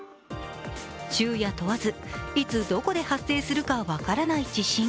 昼夜問わず、いつどこで発生するか分からない地震。